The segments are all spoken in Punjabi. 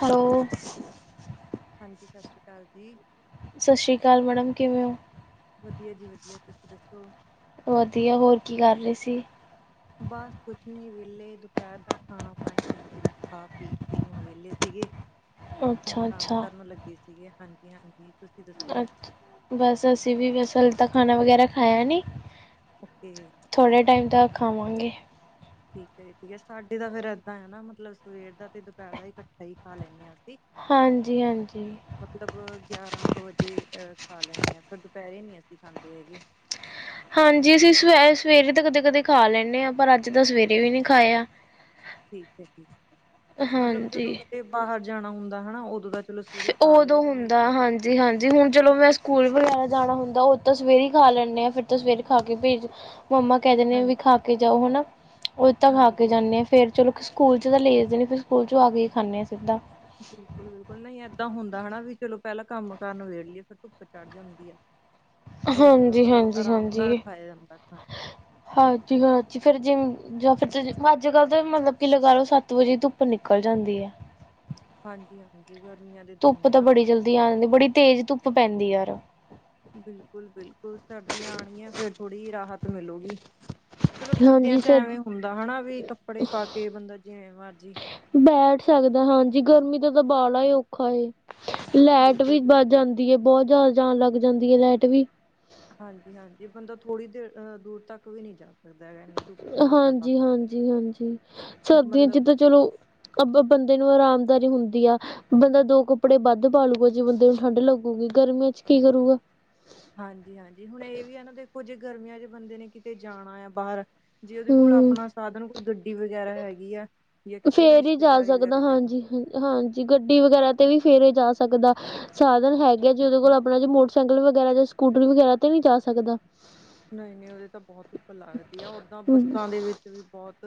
ਹੈਲੋ ਹਾਂਜੀ ਸਤਿ ਸ਼੍ਰੀ ਅਕਾਲ ਜੀ। ਸਤਿ ਸ਼੍ਰੀ ਅਕਾਲ ਮੈਡਮ ਕਿਵੇਂ ਹੋ ਵਧੀਆ ਜੀ ਵਧੀਆ ਤੁਸੀਂ ਦੱਸੋ ਵਧੀਆ ਹੋਰ ਕੀ ਕਰ ਰਹੇ ਸੀ ਬਸ ਕੁਛ ਨੀ ਵਿਹਲੇ ਦੁਪਹਿਰ ਦਾ ਖਾਣਾ ਪਾਣੀ ਖਾ ਪੀ ਕੇ ਹੁਣ ਵਿਹਲੇ ਸੀਗੇ ਹੁਣ ਅੱਛਾ ਆਰਾਮ ਅੱਛਾ ਕਰਨ ਲੱਗੇ ਸੀਗੇ ਹਾਂਜੀ-ਹਾਂਜੀ। ਅੱ ਬਸ ਅਸੀਂ ਵੀ ਬਸ ਹਲੇ ਤਾਂ ਖਾਣਾ ਵਗੈਰਾ ਖਾਇਆ ਨੀ। ਓਕੇ। ਥੋੜ੍ਹੇ ਟਾਈਮ ਤੱਕ ਖਾਵਾਂਗੇ। ਠੀਕ ਹੈ ਯਸ਼ ਅੰਟੀ ਦਾ ਫੇਰ ਏਦਾਂ ਹੈ ਨਾ ਮਤਲਬ ਸਵੇਰ ਦਾ ਤੇ ਦੁਪਹਿਰ ਦਾ ਹੀ ਇਕੱਠਾ ਹੀ ਖਾ ਲੈਂਦੇ ਹਾਂ ਅਸੀਂ। ਹਾਂਜੀ -ਹਾਂਜੀ। ਮਤਲਬ ਗਿਆਰਾਂ ਕੁ ਵਜੇ ਅ ਖਾ ਲੈਂਦੇ ਹਾਂ ਫਿਰ ਦੁਪਹਿਰੇ ਨਹੀ ਅਸੀਂ ਖਾਂਦੇ ਹੈਗੇ। ਹਾਂਜੀ ਅਸੀਂ ਸ ਸਵੇਰੇ ਤਾਂ ਕਦੇ -ਕਦੇ ਖਾ ਲੈਂਦੇ ਹਾਂ ਪਰ ਅੱਜ ਤਾਂ ਸਵੇਰੇ ਵੀ ਨੀ ਖਾਇਆ। ਠੀਕ ਹੈ ਠੀਕ, ਮਤਲਬ ਜਦੋਂ ਹਾਂਜੀ ਕਿਤੇ ਬਾਹਰ ਜਾਣਾ ਹੁੰਦਾ ਹਨਾ ਉਦੋਂ ਤਾਂ। ਚਲੋ ਸਵੇਰੇ ਖਾ ਲਈ ਨਹੀਂ ਤਾਂ। ਜੀ ਹਾਂਜੀ ਹੁਣ ਚਲੋ ਮੈਂ ਸਕੂਲ ਵਗੈਰਾ ਜਾਣਾ ਹੁੰਦਾ ਉਹ ਤਾਂ ਸਵੇਰੇ ਹੀ ਖਾ ਲੈਂਦੇ ਹਾਂ ਫਿਰ ਤਾਂ ਸਵੇਰੇ ਖਾ ਕੇ ਭੇਜ। ਮੰਮਾ ਕਹਿ ਦਿੰਦੇ ਹਾਂਜੀ ਵੀ ਖਾ ਕੇ ਜਾਓ ਹਨਾ ਉਹ ਤਾਂ ਖਾ ਕੇ ਹਾਂਜੀ ਹਾਂਜੀ ਜਾਂਦੇ ਆ ਫੇਰ ਚਲੋ ਸਕੂਲ ਚ ਤਾਂ ਲੇ ਜਾਦੇ ਨੇ ਫਿਰ ਸਕੂਲ ਚੋਂ ਆ ਕੇ ਹੀ ਖਾਂਦੇ ਹਾਂ ਸਿੱਧਾ ਬਿਲਕੁਲ-ਬਿਲਕੁਲ ਨਹੀਂ ਏਦਾਂ ਹੁੰਦਾ ਹੈ ਹਨਾ ਚਲੋ ਪਹਿਲਾਂ ਕੰਮ ਕਾਰ ਨਿਬੇੜ ਲੀਏ ਫੇਰ ਧੁੱਪ ਚੜ ਜਾਂਦੀ ਆ ਫਿਰ ਹਾਂਜੀ ਮਤਲਬ ਹਾਂਜੀ ਆਰਾਮ ਨਾਲ ਹਾਂਜੀ ਖਾਇਆ ਜਾਂਦਾ ਖਾਣੇ। ਹਾਂਜੀ- ਹਾਂਜੀ ਫੇਰ ਜੇ। ਜਾਂ ਫਿਰ ਅੱਜ ਕੱਲ੍ਹ ਤਾਂ ਮਤਲਬ ਕਿ ਲਗਾ ਲਓ ਸੱਤ ਵਜੇ ਧੁੱਪ ਨਿਕਲ ਜਾਂਦੀ ਹੈ। ਹਾਂਜੀ -ਹਾਂਜੀ ਗਰਮੀਆਂ ਦੇ ਦਿਨ ਧੁੱਪ ਨੇ ਤਾਂ ਨਾ। ਬੜੀ ਜਲਦੀ ਆ ਜਾਂਦੀ ਬੜੀ। ਤੇਜ਼ ਧੁੱਪ ਪੈਂਦੀ ਯਾਰ। ਬਿਲਕੁਲ -ਬਿਲਕੁਲ ਸਰਦੀਆਂ ਆਣਗੀਆਂ ਫੇਰ ਥੋੜ੍ਹੀ ਜਿਹੀ ਰਾਹਤ ਮਿਲੇਗੀ। ਚਲੋ ਸਰਦੀਆਂ ਹਾਂਜੀ ਚ ਸਰ ਐਵੇਂ ਹੁੰਦਾ ਹੈ ਹੋਣਾ ਵੀ ਕੱਪੜੇ ਪਾ ਕੇ ਬੰਦਾ ਜਿਵੇਂ ਮਰਜ਼ੀ। ਬੈਠ ਸਕਦਾ ਹਾਂਜੀ ਗਰਮੀ ਦਾ ਤਾਂ ਬਾੜਾ ਹੀ ਔਖਾ ਏ ਲਾਈਟ ਬਿਲਕੁਲ ਵੀ ਭੁੱਜ ਬਿਲਕੁਲ। ਜਾਂਦੀ। ਦੀਏ ਬਹੁਤ ਜ਼ਿਆਦਾ ਜਾਣ ਲੱਗ ਜਾਂਦੀ ਹੈ ਲਾਈਟ ਵੀ। ਹਾਂਜੀ -ਹਾਂਜੀ ਬੰਦਾ ਥੋੜ੍ਹੀ ਦੇਰ ਅਹ ਦੂਰ ਤੱਕ ਵੀ ਨਹੀਂ ਜਾ ਸਕਦਾ ਹੈਗਾ। ਧੁੱਪ ਦੇ ਵਿੱਚ ਤਾਂ ਹਾਂਜੀ ਬਾਹਰ। -ਹਾਂਜੀ- ਹਾਂਜੀ ਸਰਦੀਆਂ ਮਤਲਬ ਚ ਤਾਂ ਚਲੋ। ਅਬ ਬੰਦੇ ਨੂੰ ਆਰਾਮਦਾਰੀ ਹੁੰਦੀ ਆ। ਬੰਦਾ ਦੋ ਕੱਪੜੇ ਵੱਧ ਪਾਲੂਗਾ ਜੇ ਬੰਦੇ ਨੂੰ ਠੰਢ ਲੱਗੂਗੀ ਗਰਮੀਆਂ ਚ ਕੀ ਕਰੂਗਾ? ਹਾਂਜੀ- ਹਾਂਜੀ ਹੁਣ ਇਹ ਵੀ ਹੈ ਨਾ ਦੇਖੋ ਜੇ ਗਰਮੀਆਂ ਚ ਬੰਦੇ ਨੇ ਕਿਤੇ ਜਾਣਾ ਆ ਬਾਹਰ। ਜੇ ਉਹਦੇ ਕੋਲ ਹਮ ਆਪਣਾ ਸਾਧਨ ਕੋਈ ਗੱਡੀ ਵਗੈਰਾ ਹੈਗੀ ਆ ਜਾਂ ਕਿਤੇ ਵੀ ਫੇਰ ਹੀ ਜਾ ਰਿਸ਼ਤੇਦਾਰੀ ਸਕਦਾ ਵਗੈਰਾ ਜਾਣਾ। ਹਾਂਜੀ ਹਾਂਜੀ ਗੱਡੀ ਵਗੈਰਾ ਤੇ ਵੀ ਫਿਰ ਹੀ ਜਾ ਸਕਦਾ ਸਾਧਨ ਹੈਗੇ ਜੇ ਉਹਦੇ ਕੋਲ ਆਪਣਾ ਜੀ ਮੋਟਰ ਸਾਈਕਲ ਵਗੈਰਾ ਜਾਂ ਸਕੂਟਰੀ ਵਗੈਰਾ ਤੇ ਨਹੀਂ ਜਾ ਸਕਦਾ? ਨਹੀਂ- ਨਹੀਂ ਉਹਦੇ ਤਾਂ ਬਹੁਤ ਉੱਪਰ ਲੱਗਦੀ ਆ। ਓਦਾਂ ਬੱਸਾਂ ਦੇ ਵਿੱਚ। ਤੇ ਵੀ ਬਹੁਤ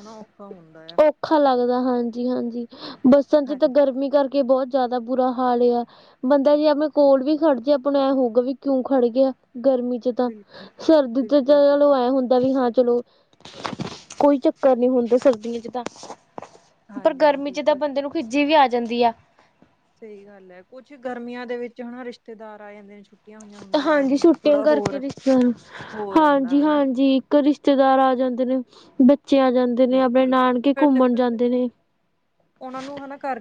ਹਨਾ ਔਖਾ ਹੁੰਦਾ ਆ। ਔਖਾ ਲੱਗਦਾ ਹਾਂਜੀ -ਹਾਂਜੀ ਬੱਸਾਂ ਚ ਤਾਂ ਹਾਂਜੀ ਗਰਮੀ ਕਰਕੇ ਬਹੁਤ ਜ਼ਿਆਦਾ ਬੁਰਾ ਹਾਲ ਆ। ਬੰਦਾ ਜੇ ਆਪਣੇ ਕੋਲ ਵੀ ਖੜ ਜਾਏ ਆਪਾਂਨੂੰ ਐ ਹੋਊਗਾ ਵੀ ਕਿਉਂ ਖੜ ਗਿਆ ਗਰਮੀ ਚ। ਤਾਂ ਬਿਲਕੁਲ ਸਰਦੀ ਤੇ ਚ ਬਿਲਕੁਲ-ਬਿਲਕੁਲ ਚਲੋ ਅਹਿ ਹੁੰਦਾ ਵੀ ਹਾਂ ਚਲੋ। ਕੋਈ ਚੱਕਰ ਨਹੀਂ ਹੁੰਦਾ ਸਰਦੀਆਂ ਚ ਤਾਂ। ਪਰ ਗਰਮੀ ਹਾਂਜੀ-ਹਾਂਜੀ ਇਹ ਚ ਤਾਂ ਗੱਲ ਬੰਦੇ ਨੂੰ ਸਹੀ ਖਿਜੀ ਵੀ ਆ ਜਾਂਦੀ ਆ। ਸਹੀ ਗੱਲ ਹੈ ਕੁੱਛ ਗਰਮੀਆਂ ਦੇ ਵਿੱਚ ਹਨਾ ਰਿਸ਼ਤੇਦਾਰ ਆ ਜਾਂਦੇ ਨੇ ਛੁੱ। ਹਾਂਜੀ ਛੁੱਟੀਆਂ ਕਰਕੇ ਰਿਸ਼ਤੇਦਾਰ ਹੋ ਜਾਂਦਾ ਹਾਂਜੀ- ਹਨਾ ਹਾਂਜੀ। ਤਾਂ ਰਿਸ਼ਤੇਦਾਰ ਆ ਜਾਂਦੇ ਨੇ ਬੱਚੇ ਆ ਜਾਂਦੇ। ਦਿਨੇ ਆਪਣੇ ਬਿਲਕੁਲ ਨਾਨਕੇ ਫਿਰ ਤੇ ਘੁੰਮਣ ਜਾਂਦੇ ਨੇ।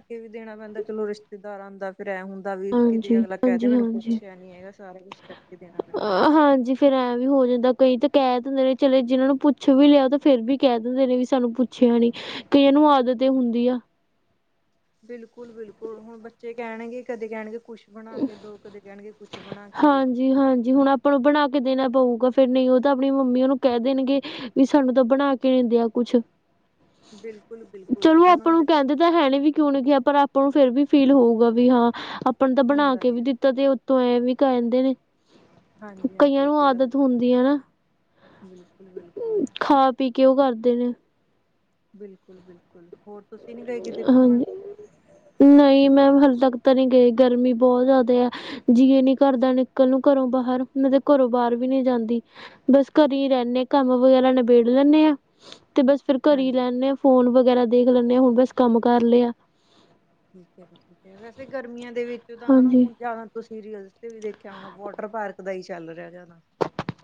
ਇਹ ਵੀ ਦੇਣਾ ਪੈਂਦਾ ਚਲੋ ਰਿਸ਼ਤੇਦਾਰ ਆਂਦਾ ਫੇਰ ਐਂ ਹੁੰਦਾ। ਦਾ ਵੀ ਕਿਤੇ ਅਗਲਾ ਕਹਿ ਦੇ ਮੈਨੂੰ ਹਾਂਜੀ-ਹਾਂਜੀ-ਹਾਂਜੀ ਪੁੱਛਿਆ ਨੀ ਹੈਗਾ ਸਾਰਾ ਕੁਛ ਕਰਕੇ ਦੇਣਾ ਪੈਂਦਾ। ਅ ਹਾਂਜੀ ਫੇਰ ਐਂ ਵੀ ਹੋ ਜਾਂਦਾ ਕਈ ਤਾਂ ਕਹਿ ਦਿੰਦੇ ਨੇ ਚਲੇ ਜਿਹਨਾਂ ਨੂੰ ਪੁੱਛ ਵੀ ਲਿਆ ਤਾਂ ਫੇਰ ਵੀ ਕਹਿ ਦਿੰਦੇ ਨੇ ਵੀ ਸਾਨੂੰ ਪੁੱਛ। ਪੁੱਛਿਆ ਨਹੀਂ ਕਈਆਂ ਨੂੰ ਆਦਤ ਈ ਹੁੰਦੀ ਆ। ਬਿਲਕੁਲ -ਬਿਲਕੁਲ ਹੁਣ ਬੱਚੇ ਕਹਿਣਗੇ ਕਦੇ ਕਹਿਣਗੇ। ਕੁਛ ਬਣਾ ਕੇ ਦੋ ਕਦੇ ਕਹਿਣਗੇ ਕੁਛ ਬਣਾ ਕੇ ਦੋ। ਜੀ ਹਾਂਜੀ ਹੁਣ ਆਪਾਂ ਨੂੰ ਬਣਾ ਕੇ ਦੇਣਾ ਪਊਗਾ ਫਿਰ ਨਹੀਂ ਉਹ ਤਾਂ ਆਪਣੀ ਮੰਮੀ ਉਹਨੂੰ ਕਹਿ ਦੇਣਗੇ। ਵੀ ਸਾਨੂੰ ਤਾਂ ਬਣਾ ਕੇ ਨਹੀਂ ਦਿਆ ਕੁਛ। ਬਿਲਕੁਲ, ਬਿਲਕੁਲ ਚਲੋ ਹੁਣ। ਆਪਾਂ ਨੂੰ ਕਹਿੰਦੇ ਤਾਂ ਹੈ ਨਹੀਂ ਵੀ ਕਿਉਂ ਨੀ ਕਿਹਾ ਪਰ ਆਪਾਂ ਨੂੰ ਫਿਰ ਵੀ ਫੀਲ ਹੋਊਗਾ ਵੀ ਹਾਂ ਆਪਾਂ ਤਾਂ ਬਣਾ ਹੁੰਦਾ ਕੇ ਹੀ ਵੀ ਆ ਦਿਤ। ਦੇ ਉੱਤੋਂ ਐ ਵੀ ਕਹਿੰਦੇ ਨੇ ਹਾਂਜੀ ਕਈਆਂ ਹਾਂਜੀ ਇਹ ਨੂੰ ਤੇ ਗੱਲ ਆਦਤ ਹੁੰਦੀ ਆ ਨਾ। ਬਿਲਕੁਲ ਬਿਲਕੁਲ। ਖਾ ਪੀ ਕੇ ਉਹ ਕਰਦੇ ਨੇ। ਬਿਲਕੁਲ ਬਿਲਕੁਲ ਹੋਰ ਤੁਸੀਂ ਨੀ ਗਏ ਕਿਤੇ ਘੁੰਮਣ। ਹਾਂਜੀ ਨਹੀਂ ਮੈ ਹਾਲੇ ਤੱਕ ਤਾਂ ਨਹੀਂ ਗਈ ਗਰਮੀ ਬਹੁਤ ਜ਼ਿਆਦਾ ਹੈ। ਜੀ ਨਹੀਂ ਕਰਦਾ ਨਿਕਲ ਨੂੰ ਘਰੋਂ ਬਾਹਰ ਮੈਂ ਤੇ ਘਰੋਂ ਬਾਹਰ ਵੀ ਨਹੀਂ ਜਾਂਦੀ। ਬਸ ਘਰੇ ਹੀ ਰਹਦੇ ਆਂ ਕੰਮ ਵਗੈਰਾ ਨਿਬੇੜ ਲੈਂਦੇ ਆਂ ਤੇ ਬਸ ਫਿਰ ਘਰੇ ਹੀ ਹਾਂਜੀ ਰਹਿੰਦੇ ਆਂ। ਫੋਨ ਵਗੈਰਾ ਦੇਖ ਲੈਂਦੇ ਆ ਹੁਣ ਬਸ ਕੰਮ ਕਰ ਲਿਆ। ਠੀਕ ਹੈ ਜੀ ਠੀਕ ਹੈ ਵੈਸੇ ਗਰਮੀਆਂ ਦੇ ਵਿੱਚ ਤਾਂ ਹਨਾ ਹਾਂਜੀ ਹੁਣ ਜਿਆਦਾ ਤੁਸੀਂ। ਸੀਰੀਅਲ ਤੇ ਵੀ ਦੇਖਿਆ ਹੋਣਾ ਵਾਟਰ ਪਾਰਕ ਦਾ ਹੀ ਚੱਲ ਰਿਹਾ ਜਾਂਦਾ।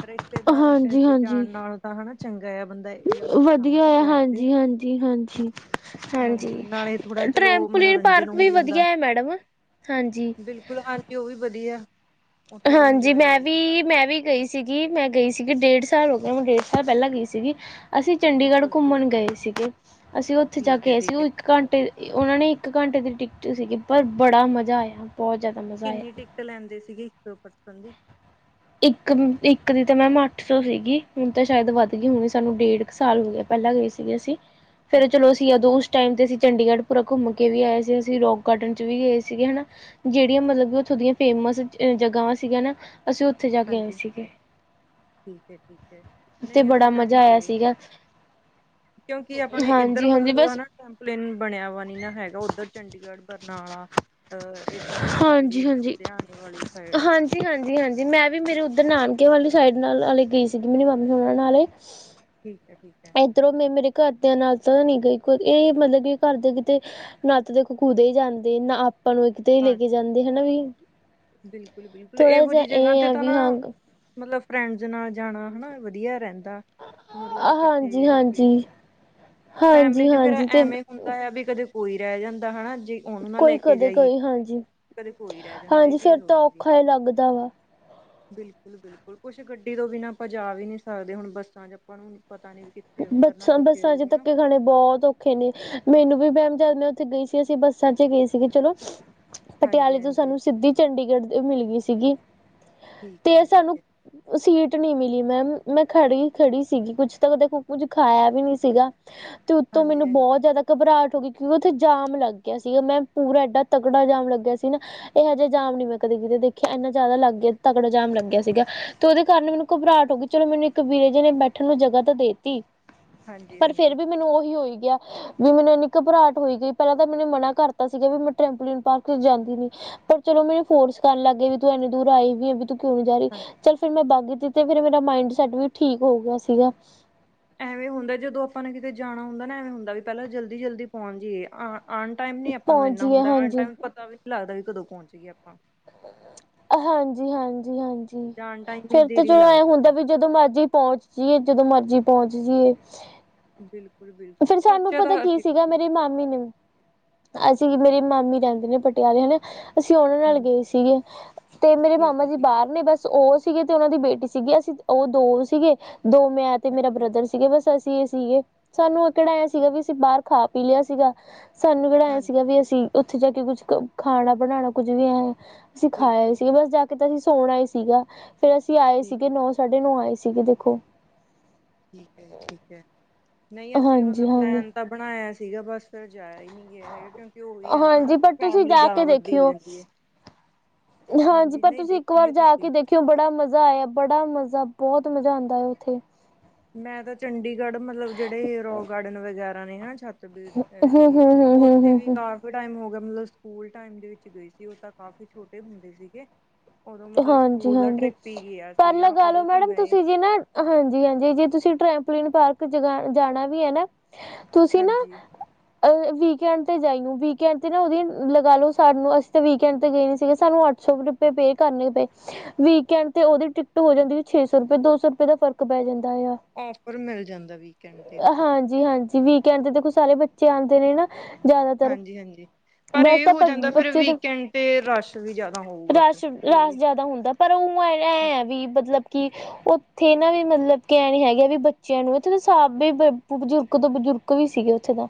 ਰਿਸ਼ਤੇਦਾਰਾਂ ਹਾਂਜੀ ਵਿੱਚ ਜਾਣ ਹਾਂਜੀ ਨਾਲੋਂ ਤਾਂ ਹਨਾ ਚੰਗਾ ਆ ਬੰਦਾ। ਇਹੋ ਜਿਹੀ ਥਾਵਾਂ ਵਧੀਆ ਤੇ ਆ ਜਾਇਆ ਤੇ ਹਾਂਜੀ -ਹਾਂਜੀ -ਹਾਂਜੀ -ਹਾਂਜੀ ਨਾਲੇ ਥੋੜਾ ਟਰੈਫਿਕ। ਚਲੋ ਪੁਲੀਨ ਮਨੋਰੰਜਨ ਪਾਰਕ ਹੋ ਵੀ ਜਾਂਦਾ ਵਧੀਆ ਹੈ ਮੈਡਮ ਹਾਂਜੀ। ਬਿਲਕੁਲ [inaudible] ਉਹ ਵੀ ਵਧੀਆ ਹੈ। ਹਾਂਜੀ ਮੈਂ ਵੀ ਮੈਂ ਵੀ ਗਈ ਸੀ। ਸੀਗੀ ਮੈਂ ਗਈ ਸੀਗੀ ਡੇਢ ਸਾਲ ਹੋ ਗਿਆ ਮੈਂ ਡੇਢ ਸਾਲ ਪਹਿਲਾਂ ਗਈ ਸੀਗੀ। ਅਸੀਂ ਚੰਡੀਗੜ੍ਹ ਓਕੇ ਓਕੇ ਘੁੰਮਣ ਗਏ ਸੀਗੇ। ਅਸੀਂ ਉੱਥੇ ਜਾ ਠੀਕ ਹੈ ਕੇਏ ਸੀ ਠੀਕ ਹੈ ਉਹ ਇੱਕ ਘੰਟੇ ਉਹਨਾਂ ਨੇ ਇੱਕ ਘੰਟੇ ਦੀ ਟਿਕਟ ਸੀਗੀ ਪਰ ਬੜਾ ਮਜ਼ਾ ਆਇਆ ਬਹੁਤ ਜ਼ਿਆਦਾ। ਮਜ਼ਾ ਆਇਆ ਕਿੰਨੀ ਟਿਕਕ ਲੈਂਦੇ ਸੀਗੇ ਇੱਕ ਦੋ ਪਰਸਨ ਦੀ। ਇੱਕ ਇੱਕ ਦੀ ਤਾਂ ਮੈਮ ਅੱਠ ਸੌ ਸੀਗੀ ਹੁਣ ਤਾਂ ਸ਼ਾਇਦ ਵੱਧ ਗਈ ਹੋਣੀ ਸਾਨੂੰ ਡੇਢ ਸਾਲ ਹੋ ਗਿਆ ਪਹਿਲਾਂ ਗਏ ਸੀਗੇ ਅਸੀ ਫੇਰ ਚਲੋ ਓਕੇ ਅਸੀਂ ਜਦੋਂ ਉਸ ਉਸ ਟਾਈਮ ਤੇ ਅਸੀਂ ਚੰਡੀਗੜ੍ਹ ਪੂਰਾ ਘੁੰਮ ਕੇ ਵੀ ਆਏ ਸੀ ਅਸੀਂ ਰੋਕ ਗਾਰਡਨ ਚ ਵੀ ਗਏ ਸੀਗੇ ਹਨਾ ਜਿਹੜੀਆਂ ਮਤਲਬ ਕਿ ਉੱਥੋਂ ਦੀਆਂ ਫੇਮਸ ਜਗ੍ਹਾ ਸੀਗੀਆਂ ਨਾ ਅਸੀਂ ਜਾ ਕੇ ਆਏ ਹਾਂਜੀ ਸੀਗੇ ਹਾਂਜੀ ਠੀਕ ਹੈ ਠੀਕ ਹੈ। ਤੇ ਨਹੀਂ ਬੜਾ ਅਸੀਂ ਤਾਂ ਮਜ਼ਾ ਨਹੀਂ ਆਇਆ ਗਏ ਹੈ ਸੀਗਾ ਕਿਉਂਕਿ ਆਪਣੇ ਇੱਧਰ ਹਾਂਜੀ ਹਾਂਜੀ ਮਤਲਬ ਹੈ ਬਸ ਨਾ ਕੰਪਲੇਨ ਬਣਿਆ ਵਾ ਨੀ ਨਾ ਹੈਗਾ ਉੱਧਰ ਚੰਡੀਗੜ੍ਹ ਬਰਨਾਲਾ ਅ ਇੱਧਰਲੀ ਸਾਈਡ ਹਾਂਜੀ ਹੀਨ ਹਾਂਜੀ ਲੁਧਿਆਣੇ ਵਾਲੀ ਸਾਈਡ। ਹਾਂਜੀ ਹਾਂਜੀ ਹਾਂਜੀ ਮੈਂ ਵੀ ਮੇਰੇ ਉੱਧਰ ਨਾਨਕੇ ਵਾਲੀ ਸਾਈਡ ਨਾਲੇ ਗਈ ਸੀਗੀ ਮੇਰੀ ਮਾਮੀ ਸੋ ਨਾਲੇ ਠੀਕ ਹੈ ਠੀਕ ਹੈ। ਇੱਧਰੋਂ ਮੈਂ ਮੇਰੇ ਘਰਦਿਆਂ ਨਾਲ ਤਾਂ ਨੀ ਗਈ ਇਹ ਮਤਲਬ ਕਿ ਘਰ ਦੇ ਕਿਤੇ ਨਾ ਤਾਂ ਦੇਖੋ ਕੁਦੇ ਹੀ ਜਾਂਦੇ ਨਾ ਆਪਾਂ ਨੂੰ ਇੱਕ ਤੇ ਹੀ ਲੈ ਕੇ ਜਾਂਦੇ ਹਨਾ ਵੀ। ਬਿਲਕੁਲ ਬਿਲਕੁਲ ਥੋੜਾ ਇਹੋ ਜਿਹਾ ਜਿਹੀ ਜਗ੍ਹਾ ਇਹ ਤੇ ਆ ਤਾਂ ਵੀ ਨਾ ਹਾਂ ਮਤਲਬ ਫਰੈਂਡਸ ਨਾਲ ਜਾਣਾ ਹਨਾ ਵਧੀਆ ਰਹਿੰਦਾ। ਮਤਲਬ ਹਾਂਜੀ ਇਕੱਠੇ ਹੋ ਕੇ ਹਾਂਜੀ ਫੈਮਲੀ ਹਾਂਜੀ ਚ ਫਿਰ ਹਾਂਜੀ ਤੇ ਐਵੇਂ ਦਾ ਆ ਵੀ ਕਦੇ ਕੋਈ ਰਹਿ ਜਾਂਦਾ ਹਨਾ ਜੇ ਉਹਨੂੰ ਨਾ ਲੈ ਕੋਈ ਕੇ ਕਦੇ ਜਾਈਏ ਕਦੇ ਕੋਈ ਰਹਿ ਜਾਂਦਾ। ਫਿਰ ਚੀਜ਼ ਤਾਂ ਔਖਾ ਹੀ ਲੱਗਦਾ ਵਾ। ਬਿਲਕੁਲ ਬਿਲਕੁਲ ਕੁਛ ਗੱਡੀ ਤੋਂ ਬਿਨਾਂ ਆਪਾਂ ਜਾ ਵੀ ਨਹੀਂ ਸਕਦੇ ਹੁਣ ਬੱਸਾਂ ਚ ਆਪਾਂ ਨੂੰ ਪਤਾ ਨੀ ਕਿੱਥੇ ਉਤਰਨਾ ਬੱਸਾਂ ਕਿੱਥੇ ਬੱਸਾਂ ਚ ਹੋਊਗਾ ਨਾ ਧੱਕੇ ਖਾਣੇ ਬਹੁਤ ਰੱਖੇ ਨੇ ਮੈਨੂੰ ਵੀ ਮੈਮ ਜਦ ਮੈਂ ਉੱਥੇ ਗਈ ਸੀ ਅਸੀਂ ਬੱਸਾਂ ਚ ਗਈ ਸੀਗੀ ਚਲੋ ਪਟਿਆਲੇ ਤੋਂ ਹਾਂਜੀ-ਹਾਂਜੀ ਸਾਨੂੰ ਸਿੱਧੀ ਚੰਡੀਗੜ੍ਹ ਮਿਲ ਗਈ ਸੀਗੀ ਠੀਕ ਹੈ ਤੇ ਜੀ ਠੀਕ ਸਾਨੂੰ ਹੈ ਸੀਟ ਨਹੀਂੀਮ ਮਿਲੀ ਮੈਮ ਮੈਂ ਖੜੀ ਖੜੀ ਸੀਗੀ ਕੁੱਛ ਤਾਂ ਦੇਖ ਕੁਝ ਖਾਇਆ ਵੀ ਨੀ ਸੀਗਾ ਤੇ ਉੱਤੋਂ ਮੈਨੂੰ ਬਹੁਤ ਹਾਂਜੀ-ਹਾਂਜੀ, ਜ਼ਿਆਦਾ ਘਬਰਾਹਟ ਹੋ ਗਈ ਕਿਉਂਕਿ ਉੱਥੇ ਜਾਮ ਲੱਗ ਗਿਆ ਸੀਗਾ ਮੈਂ ਪੂਰਾ ਐਡਾ ਤਕੜਾ ਜਾਮ ਲੱਗਿਆ ਸੀ ਨਾ ਇਹੋ ਜਿਹਾ ਜਾਮ ਨੀ ਮੈਂ ਕਦੇ ਕਿਤੇ ਦੇਖਿਆ ਇੰਨਾ ਜ਼ਿਆਦਾ ਲੱਗ ਗਿਆ ਤਕੜਾ ਜਾਮ ਲੱਗਿਆ ਸੀਗਾ ਤੇ ਉਹਦੇ ਕਾਰਨ ਮੈਨੂੰ ਘਬਰਾਹਟ ਹੋ ਗਈ। ਚਲੋ ਮੈਨੂੰ ਇੱਕ ਵੀਰੇ ਜੇ ਨੇ ਬੈਠਣ ਨੂੰ ਜਗ੍ਹਾ ਤੇ ਦੇਤੀ। ਹਾਂਜੀ-ਹਾਂਜੀ, ਹਾਂਜੀ। ਪਰ ਫਿਰ ਵੀ ਮੈਨੂੰ ਉਹੀ ਹੋ ਹੀ ਗਿਆ। ਵੀ ਮੈਨੂੰ ਇੰਨੀ ਘਬਰਾਹਟ ਹੋਈ ਗਈ ਪਹਿਲਾਂ ਤਾਂ ਮੈਨੂੰ ਮਨਾ ਕਰਤਾ ਸੀਗਾ ਵੀ ਮੈਂ ਟਰੈਂਪੋਲੀਨ ਪਾਰਕ ਚ ਜਾਂਦੀ ਨਹੀ। ਪਰ ਚਲੋ ਮੈਨੂੰ ਫੋਰਸ ਕਰਨ ਲੱਗੇ ਵੀ ਤੂੰ ਇੰਨੀ ਦੂਰ ਆਈ ਵੀ ਹੈ ਵੀ ਤੂੰ ਕਿਉਂ ਨੀ ਜਾ ਰਹੀ ਹਾਂਜੀ ਹਾਂਜੀ। ਚੱਲ ਫਿਰ ਮੈਂ ਬਾਗੀ ਦੀ ਤੇ ਫਿਰ ਮੇਰਾ ਮਾਇੰਡ ਸੈਟ ਵੀ ਠੀਕ ਹੋ ਗਿਆ ਸੀਗਾ। ਐਵੇਂ ਹੁੰਦਾ ਜਦੋਂ ਆਪਾਂ ਨੂੰ ਕਿਤੇ ਜਾਣਾ ਹੁੰਦਾ ਨਾ ਐਵੇਂ ਹੁੰਦਾ ਵੀ ਪਹਿਲਾਂ ਜਲਦੀ ਜਲਦੀ ਪਹੁੰਚ ਜਾਈਏ ਆ। ਟਾਈਮ ਨੀ ਆਪਾਂ ਨੂੰ ਪਹੁੰਚ ਇੰਨਾ ਜਈਏ ਹੁੰਦਾ ਹਰ ਹਾਂਜੀ ਟਾਈਮ ਪਤਾ ਵੀ ਨੀ ਲੱਗਦਾ ਕਿ ਕਦੋਂ ਪਹੁੰਚ ਗਏ ਆਪਾਂ। ਹਾਂਜੀ ਹਾਂਜੀ ਹਾਂਜੀ ਜਾਣ ਟਾਈਮ ਹੀ ਫੇਰ ਦੇਰ ਤਾਂ ਹੀ ਚਲੋ ਐਂ ਲੱਗਦੀ ਆਪਾਂ ਹੁੰਦਾ ਵੀ ਨੂੰ ਜਦੋਂ ਮਰਜੀੀ ਪਹੁੰਚ ਜਈਏ ਜਦੋਂ ਮਰਜੀ ਪਹੁੰਚ ਜਾਈਏ ਬਿਲਕੁਲ ਬਿਲਕੁਲ ਫੇਿਰ ਸਾਨੂੰ ਸੋਚਿਆ ਪਤਾ ਤਾਂ ਕੀ ਅਸੀਂ ਸੀਗਾ ਵੀ ਸੀ। ਮੇਰੇ ਮਾਮ ਾਮ ਨੇ ਅਸੀਂ ਮੇਰੀ ਮਾਮੀ ਰਹਿੰਦੇ ਨੇ ਪਟਿਆਲੇ ਹਨਾ ਅਸੀਂ ਉਹਨਾਂ ਨਾਲ ਗਏ ਹਾਂਜੀ ਸੀਗੇ ਤੇ ਮੇਰੇ ਠੀਕ ਮਾਮਾ ਹੈ ਜੀ ਠੀਕ ਹੈ ਬਾਹਰ ਨੇ ਬਸ ਉਹ ਸੀਗੇ ਤੇ ਉਹਨਾਂ ਦੀ ਬੇਟੀ ਸੀਗੀ ਅਸੀਂ ਉਹ ਦੋ ਸੀਗੇ ਦੋ ਮੈਂ ਤੇ ਮੇਰਾ ਹਾਂਜੀ ਬ੍ਰਦਰ ਸੀਗੇ ਬਸ ਅਸੀਂ। ਸੀਗੇ ਸਾਨੂੰ ਉਹ ਕਿਹੜਾ ਇਹ ਸੀਗਾ ਵੀ ਅਸੀਂ ਬਾਹਰ ਖਾ ਪੀ ਲਿਆ ਸੀਗਾ ਸਾਨੂੰ ਜੜਆ ਹਾਂਜੀ ਸੀਗਾ ਵੀ ਅਸੀਂ ਉੱਥੇ ਜਾ ਕੇ ਕੁੱਛ ਖਾਣਾ ਬਣਾਣਾ ਕੁੱਝ ਵੀ ਹੈ ਬਿਲਕੁਲ ਸਿਖਾਇਆ ਸੀ ਬਿਲਕੁਲ, ਬਸ ਜਾ ਕੇ ਤਾਂ ਅਸੀਂ ਸੋਣਾ ਹੀ ਸੀਗਾ ਫੇਰ ਅਸੀਂ ਆਏ ਠੀਕ ਸੀਗੇ ਨੌ ਸਾਠ ਨੂੰ ਆਏ ਸੀਗੇ ਦੇਖੋ ਠੀਕ ਹੈ ਜੀ ਠੀਕ ਹੈ ਨਹੀਂ ਅਸੀਂ ਹਾਂਜੀ ਮਤਲਬ ਹਾਂਜੀ ਪਲੈਨ ਤਾਂ ਬਣਾਇਆ ਸੀਗਾ ਬਸ ਫਿਰ ਜਾਇਆ ਹੀ ਨਹੀਂ ਹੈਗਾ ਕਿਉਂਕਿ ਉਹੀ ਹੈ ਨਾ ਹਨਾ ਹਾਂਜੀ ਫਿਰ ਪਰ ਤੁਸੀਂ ਫੈਮਲੀ ਜਾ ਜ਼ਿਆਦਾ ਕੇ ਵੱਡੀ ਹੋ ਦੇਖਿਓ ਜਾਂਦੀ ਹੈ। ਹਾਂਜੀ ਪਰ ਨਹੀਂ ਤੁਸੀਂ ਇੱਕ ਵਾਰ ਦੇਖਾਂਗੇ ਤਾਂ ਜਾ ਸਹੀ ਕੇ ਦੇਖ ਕਿਉਂ ਬੜਾ ਮਜ਼ਾ ਆਇਆ ਬੜਾ ਮਜ਼ਾ ਬਹੁਤ ਮਜ਼ਾ ਆਉਂਦਾ ਆ ਉੱਥੇ ਮੈਂ ਤਾਂ ਚੰਡੀਗੜ੍ਹ ਮਤਲਬ ਜਿਹੜੇ ਰੋਕ ਗਾਰਡਨ ਵਗੈਰਾ ਨੇ ਹਨ ਛ ਬ ਹੂੰ ਇਹ ਹੂੰ ਹੂੰ ਹੂੰ ਉੱਥੇ ਹੂੰ ਵੀ ਹੂੰ ਬੜਾ ਟਾਈਮ ਹੋ ਗਿਆ ਮਤਲਬ ਸਕੂਲ ਟਾਈਮ ਦੇ ਵਿੱਚ ਗਈ ਸੀ ਉਹ ਤਾਂ ਕਾਫੀ ਛੋਟੇ ਹੁੰਦੇ ਸੀਗੇ ਕ ਹਾਂਜੀ ਹਾਂਜੀ ਗਿਆ ਪਰ ਸੀਗਾ ਲਗਾ ਲੋ ਉਦੋਂ ਮੈਡਮ ਘੁੰਮਿਆ ਏ ਤੁਸੀਂ ਜੇ ਨਾ ਹਾਂਜੀ ਹਾਂਜੀ ਜੇ ਤੁਸੀਂ ਟ੍ਰੈਂਪਲੀਨ ਪਾਰਕ ਜ ਜਾਣਾ ਵੀ ਹੈ ਨਾ ਤੁਸੀਂ ਨਾ ਹਾਂਜੀ ਵੀਕਐਂਡ ਤੇ ਜਾਈ ਵੀਕਐਂਡ ਤੇ ਨਾ ਉਹਦੀ ਲਗਾ ਲਓ, ਸਾਨੂੰ ਅਸੀਂ ਤਾਂ ਵੀਕਐਂਡ ਤੇ ਗਏ ਨੀ ਸੀਗੇ ਸਾਨੂੰ ਅੱ। ਸੋ ਡੱਬੇ ਬੇਕ ਕਰਨੇ ਪਏ ਵੀਕਐਂਡ ਤੇ ਉਹਦੀ ਟਿਕਟ ਹੋ ਜਾਂਦੀ ਸੀ ਛੇ ਸੌ ਰੁਪਏ ਦੋ ਸੌ ਰੁਪਏ ਦਾ ਫ਼ਰਕ ਪੈ ਜਾਂਦਾ ਆ। ਔਫਰ ਮਿਲ ਜਾਂਦਾ ਵੀਕਐਂਡ ਦੇ ਉੱਪਰ ਜੀ ਹਾਂਜੀ ਵੀਕਐਂਡ ਦੇ ਕੁ ਸਾਰੇ ਬੱਚੇ ਆਉਂਦੇ ਨੇ ਨਾ ਜ਼ਿਆਦਾਤਰ ਹਾਂਜੀ ਹਾਂਜੀ ਪਰ ਇਹ ਵੈਸੇ ਹੋ ਤਾਂ ਜਾਂਦਾ ਫਿਰ ਬੱਚੇ ਤਾਂ ਵੀਕਐਂਡ ਤੇ ਰਸ਼ ਵੀ ਜਿਆਦਾ ਹੋਊਗਾ ਫਿਰ ਰਸ਼ ਇਹ ਵੀ ਰਸ਼ ਹੂੰ ਜ਼ਿਆਦਾ ਹੁੰਦਾ ਪਰ ਉਹ ਐਂ ਹੈ ਵੀ ਮਤਲਬ ਕਿ ਉੱਥੇ ਨਾ ਵੀ ਮਤਲਬ ਕਿ ਨੀ ਹੈਗੇ ਵੀ ਬੱਚਿਆਂ ਨੂੰ ਇੱਥੇ ਸਭ ਬਜ਼ੁਰਗ ਤੋਂ ਬਜ਼ੁਰਗ ਵੀ ਸੀਗੇ ਉੱਥੇ ਦਾ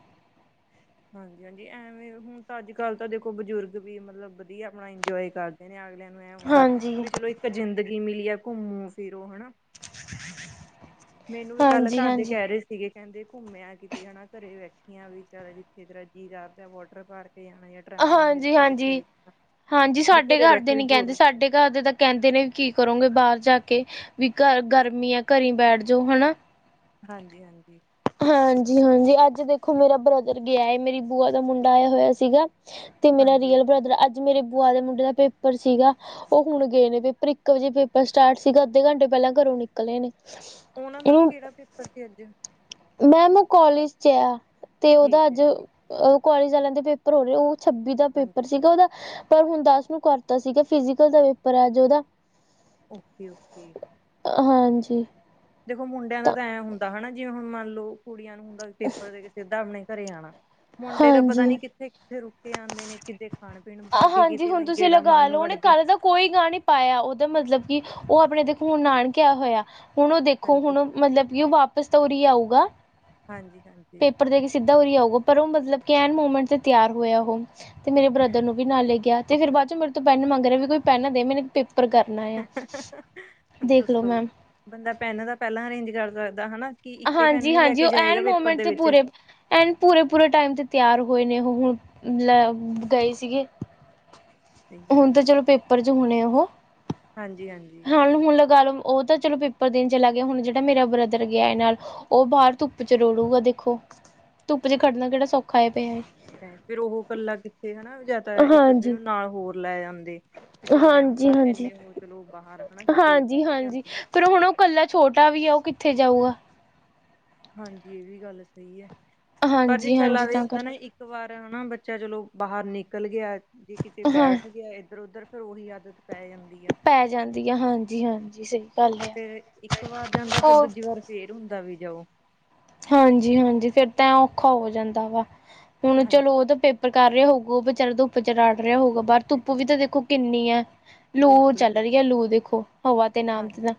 ਹਾਂਜੀ ਹਾਂਜੀ ਐਵੇਂ ਹੁਣ ਤਾਂ ਅੱਜ ਕੱਲ ਤਾਂ ਦੇਖੋ ਬਜ਼ੁਰਗ ਵੀ ਮਤਲਬ ਵਧੀਆ ਆਪਣਾ ਇੰਜੋਏ ਕਰ ਕ ਨੇ ਅਗਲਿਆਂ ਨੂੰ ਇਹ ਹੁੰਦਾ ਹਾਂਜੀ। ਵੀ ਚਲੋ ਇੱਕ ਜ਼ਿੰਦਗੀ ਮਿਲੀ ਹੈ ਘੁੰਮੋ ਫਿਰੋ ਹਨਾ [inaudible] ਮੈਨੂੰ ਵੀ ਗੱਲ ਹਾਂਜੀ ਘਰ ਦੇ ਹਾਂਜੀ ਕਹਿ ਰਹੇ ਸੀ ਇਹ ਕਹਿੰਦੇ ਘੁੰਮਿਆ ਕਿਤੇ ਹਨਾ ਘਰੇ ਬੈਠੀਆਂ ਵੀ ਜਿੱਥੇ ਦਰਜੀ ਲਦਾ ਵੋਟਰ ਪਾਕ ਕੇ ਜਾਣਾ ਟਰੈਂਪਲਿਨ ਦੇ ਹਾਂਜੀ ਵਿੱਚ ਜਿੱਥੇ ਹਾਂਜੀ ਵੀ ਜਾਣਾ ਹਾਂਜੀ ਵੀ ਸਾਡੇ ਘਰੇ ਘਰ ਬੈਠੇ ਦੇ ਵੀ ਨੀ ਬੋਰ ਕਹਿੰਦੇ ਹੁੰਦੇ ਨੇ ਸਾਡੇ ਘਰ ਦੇ ਤਾਂ ਕਹਿੰਦੇ ਨੇ ਵੀ ਕੀ ਕਰੋਗੇ ਬਾਹਰ ਜਾ ਕੇ ਵੀ ਘਰ ਗਰਮੀ ਹੈ ਘਰੇ ਬੈਠ ਜਾਓ ਹਨਾ ਹਾਂਜੀ ਹਾਂਜੀ ਹਾਂਜੀ ਹਾਂਜੀ ਅੱਜ ਦੇਖੋ ਮੇਰਾ ਬ੍ਰਦਰ ਆਇਆ ਹੈ ਮੇਰੀ ਬੂਆ ਦਾ ਮੁੰਡਾ ਆਇਆ ਹੋਇਆ ਸੀਗਾ ਤੇ ਮੇਰਾ ਹਾਂਜੀ ਰੀਅਲ ਬ੍ਰਦਰ ਅੱਜ ਮੇਰੇ ਬੂਆ ਦੇ ਮੁੰਡੇ ਦਾ ਪੇਪਰ ਸੀਗਾ ਉਹ ਹੁਣ ਗਏ ਨੇ ਪੇਪਰ ਇੱਕ ਵਜੇ ਪੇਪਰ ਸਟਾਰਟ ਸੀਗਾ ਅੱਧੇ ਘੰਟੇ ਪਹਿਲਾਂ ਘਰੋਂ ਨਿਕਲੇ ਨੇ ਉਹਨਾਂ ਦਾ ਕਿਹੜਾ ਪੇਪਰ ਸੀ ਅੱਜ ਮੈਮ ਉਹ ਕਾਲਜ ਚ ਆਇ ਤੇ ਉਹਦਾ ਠੀਕ ਹੈ ਅੱਜ ਦੀਦੀ ਕਾਲਜ ਵਾਲਿਆਂ ਦੇ ਪੇਪਰ ਹੋ ਰਹੇ ਉਹ ਛੱਬੀ ਦਾ ਪੇਪਰ ਹਾਂਜੀ ਸੀਗਾ ਉਹਦਾ ਪਰ ਹੁਣ ਦਸ ਨੂੰ ਕਰਤਾ ਸੀਗਾ ਫਿਜ਼ਕਲ ਦਾ ਪੇਪਰ ਹੈ ਅੱਜ ਉਹਦਾ ਓਕੇ ਓਕੇ ਹਾਂਜੀ ਦੇਖੋ ਮੁੰਡਿਆਂ ਦਾ ਤਾਂ ਐਂ ਹੁੰਦਾ ਹਨਾ ਜਿਵੇਂ ਹੁਣ ਮੰਨ ਲਓ ਕੁੜੀਆਂ ਨੂੰ ਹੁੰਦਾ ਵੀ ਪੇਪਰ ਦੇ ਕੇ ਸਿੱਧਾ ਆਪਣੇ ਘਰੇ ਆਣਾ ਮੁੰਡੇ ਦਾ ਪਤਾ ਹਾਂਜੀ ਨੀ ਕਿੱਥੇ ਕਿੱਥੇ ਰੁਕੇ ਆਂਦੇ ਨੇ ਕਿਤੇ ਖਾਣ ਪੀਣ ਵ ਬੜ ਗਏ ਹਾਂਜੀ ਕਿਤੇ ਹੁਣ ਤੁਸੀਂ ਗੇੜਾ ਮਾਰਨ ਲਗਾ ਨੂੰ ਲਓ ਵੜ ਉਹਨੇ ਗਏ ਕੱਲ ਦਾ ਕੋਈ ਗਾ ਨੀ ਪਾਇਆ ਉਹਦਾ ਮਤਲਬ ਕਿ ਉਹ ਆਪਣੇ ਦੇ ਖੂਨ ਨਾਨਕਿਆ ਹੋਇਆ। ਹੁਣ ਉਹ ਦੇਖੋ ਹਾਂਜੀ ਹੁਣ ਮਤਲਬ ਕਿ ਉਹ ਵਾਪਿਸ ਤਾਂ ਉਰੀ ਆਊਗਾ। ਹਾਂਜੀ-ਹਾਂ ਪੇਪਰ ਦੇ ਕੇ ਸਿੱਧਾ ਉਰੇ ਆਊਗਾ ਪਰ ਉਹ ਮਤਲਬ ਕਿ ਐਨ ਮੋਮੈਂਟ ਤੇ ਤਿਆਰ ਹੋਇਆ ਉਹ ਤੇ ਮੇਰੇ ਬ੍ਰਦਰ ਨੂੰ ਵੀ ਨਾਲ ਲੈ ਗਿਆ ਫਿਰ ਬਾਅਦ ਚ ਮੇਰੇ ਤੋਂ ਪੈਨ ਮੰਗ ਰਿਹਾ ਵੀ ਕੋਈ ਪੈਨ ਦੇ ਮੇ ਪੇਪਰ ਪੇਪਰ ਕਰਨਾ ਆ ਦੇਖਲੋ ਦੱਸੋ ਮੈਮ ਬੰਦਾ ਪੈਨ ਦਾ ਪਹਿਲਾਂ ਅਰੇਂਜ ਕਰ ਸਕਦਾ ਹਨਾ ਕਿ ਇੱਕੇ ਪੈਨ ਹਾਂਜੀ ਹੀ ਲੈ ਕੇ ਜਾਏਗਾ ਪੇਪਰ ਦੇ ਵਿੱਚ ਐ ਪੂਰੇ ਪੂਰੇ ਟਾਈਮ ਤੇ ਤਿਆਰ ਹੋਏ ਨੇ ਉਹ ਹੁਣ ਲੈ ਗਏ ਸੀਗੇ ਸਹੀ ਹੁਣ ਗੱਲ ਹੈ ਤਾਂ ਚਲੋ ਪੇਪਰ 'ਚ ਹੋਣੇ ਉਹ ਹਾਂਜੀ ਹਾਂਜੀ ਹਣ ਹੁਣ ਲਗਾ ਲਓ ਉਹ ਤਾਂ ਚਲੋ ਪੇਪਰ ਦੇਣ ਚਲਾ ਗਿਆ ਹੁਣ ਜਿਹੜਾ ਮੇਰਾ ਬਰਦਰ ਗਿਆ ਇਹ ਨਾਲ ਉਹ ਬਾਹਰ ਧੁੱਪ ਚ ਰੁੜੂਗਾ ਦੇਖੋ ਧੁੱਪ ਚ ਖੜਨਾ ਕਿਹੜਾ ਸੌਖਾ ਪਿਆ ਫੇਰ ਉਹ ਇਕੱਲਾ ਕਿੱਥੇ ਹਨਾ ਯਾ ਤਾਂ ਇੱਕ ਅੱਧੇ ਹਾਂਜੀ ਨੂੰ ਨਾਲ ਹੋਰ ਲੈ ਜਾਂਦੇ। ਵੀ ਚਲੋ ਐਂ ਹਾਂਜੀ ਹੁੰਦਾ ਹਾਂਜੀ ਇੰਨੇ ਉਹ ਚਲੋ ਬਾਰ ਹਨਾ ਕਿਤੇ ਬੈਠ ਜਾਂ ਫੇਰ ਹੁਣ ਓ ਕੱਲਾ ਛੋਟਾ ਵੀ ਆ ਓ ਕਿੱਥੇ ਜਾਊਗਾ? ਹਾਂਜੀ ਐ ਵੀ ਗੱਲ ਸਈ ਐ ਪਰ ਜੇ ਹਾਂਜੀ ਚਲਾ ਹਾਂਜੀ ਵੀ ਤਾਂ ਜਾਂਦਾ ਨਾ ਇੱਕ ਕਰਕੇ ਇੱਕ ਵਾਰ ਹਨਾ ਬੱਚਾ ਚਲੋ ਬਾਹਰ ਨਿਕਲ ਗਿਆ, ਜੇ ਕਿਤੇ ਹਾਂ ਬੈਠ ਗਿਆ ਇੱਧਰ ਉਧਰ ਫੇਰ ਓਹੀ ਆਦਤ ਪੈ ਜਾਂਦੀ ਐ। ਪੈ ਜਾਂਦੀ ਐ, ਹਾਂਜੀ-ਹਾਂਜੀ ਸਈ ਫੇਰ ਇੱਕ ਵਾਰ ਜਾਂਦਾ ਫੇਰ ਦੂਜੀ ਵਾਰ ਫੇਰ ਹੁੰਦਾ ਵੀ ਜਾਓ। ਹਾਂਜੀ-ਹਾਂਜੀ, ਫੇਰ ਤਾਂ ਐ ਔਖਾ ਹੋ ਜਾਂਦਾ ਵਾ ਹੁਨ ਹਾਂਜੀ ਚਲੋ ਉਹ ਤਾਂ ਪੇਪ ਕਰ ਰਿਹਾ ਹੋਊਗਾ, ਉਹ ਵਿਚਾਰਾ ਧੁੱਪ ਚ ਰੜ ਰਿਹਾ ਹੋਊਗਾ। ਬਾਰ ਧੁੱਪ ਵੀ ਤਾਂ ਦੇਖੋ ਕਿੰਨੀ ਐ, ਲੂ ਬਿਲਕੁਲ ਚੱਲ ਰਹੀ ਐ ਬਿਲਕੁਲ ਲੂ ਦੇਖੋ। ਹਵਾ ਤੇ ਨਾਮ ਹਾਂਜੀ ਤੇ ਦਾ,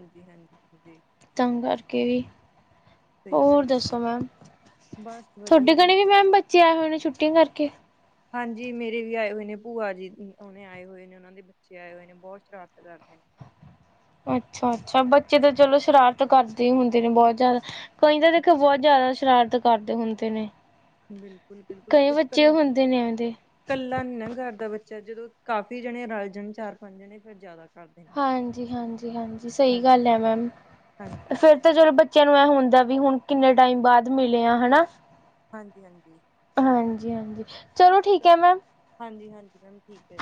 ਹਾਂਜੀ ਹਾਂਜੀ ਹਾਂਜੀ ਤਾਂ ਕਰਕੇ ਸਹੀ ਹੋਰ ਗੱਲ ਹੈ ਜੀ ਦੱਸੋ ਮੈਮ, ਬਸ ਤੁਹਾਡੇ ਵਧੀਆ ਜੀ ਗਣੇ ਵੀ ਮੈਮ ਬੱਚੇ ਆਏ ਹੋਏ ਨੇ ਛੁੱਟੀਆਂ ਕਰਕੇ। ਹਾਂਜੀ ਮੇਰੇ ਵੀ ਆਏ ਹੋਏ ਨੇ, ਭੂਆ ਜੀ ਉਹਣੇ ਆਏ ਹੋਏ ਨੇ। ਓਨਾਂ ਦੇ ਬੱਚੇ ਆਏ ਹੋਏ ਨੇ, ਬੋਤ ਸ਼ਰਾਰਤਾਂ ਕਰਦੇ ਨੇ। ਅੱਛਾ-ਅੱਛਾ ਬੱਚੇ ਤਾਂ ਚਲੋ ਸ਼ਰਾਰਤ ਕਰਦੇ ਹੀ ਹੁੰਦੇ ਨੇ ਬੋਤ ਜ਼ਿਆਦਾ। ਕਈ ਤਾਂ ਦੇਖੋ ਬੋਤ ਜ਼ਿਆਦਾ ਸ਼ਰਾਰਤ ਕਰਦੇ ਹੁੰਦੇ ਨੇ। ਬਿਲਕੁਲ ਬਿਲਕੁਲ ਕਈ ਕੁਛ ਬੱਚੇ ਕੱਲਾ ਹੁੰਦੇ ਨੇ ਐਵੇਂ ਦੇ। ਕੱਲਾ ਨੀ ਨਾ ਕਰਦਾ ਬੱਚਾ ਜਦੋਂ ਕਾਫੀ ਜਣੇ ਰਲ ਜਾਣ ਚਾਰ ਪੰਜ ਜਣੇ ਫਿਰ ਜਾਦਾ ਹਾਂਜੀ, ਹਾਂਜੀ, ਹਾਂਜੀ ਸਹੀ ਹਾਂਜੀ, ਗੱਲ ਐ ਮੈਮ ਹਾਂਜੀ, ਹਾਂਜੀ, ਫਿਰ ਤੇ ਚਲੋ ਬੱਚਿਆਂ ਨੂੰ ਇਹ ਹੁੰਦਾ ਵੀ ਹੁਣ ਕਿੰਨੇ ਟਾਈਮ ਬਾਦ ਮਿਲੇ ਆ ਹਨਾ। ਹਾਂਜੀ-ਹਾਂਜੀ। ਹਾਂਜੀ-ਹਾਂਜੀ, ਚਲੋ ਠੀਕ ਐ ਮੈਮ। ਹਾਂਜੀ-ਹਾਂਜੀ ਮੈਮ ਠੀਕ ਐ।